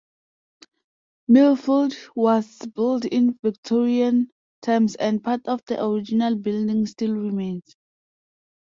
Millfield was built in Victorian times and part of the original building still remains.